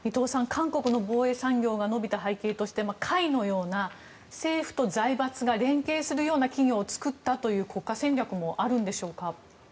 韓国の防衛産業が伸びた背景としてＫＡＩのような政府と財閥が連携するような企業を作ったという国家戦略もあるんでしょうか。